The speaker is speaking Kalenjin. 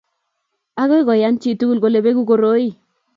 agoi kuyan chitugul kole beku koroi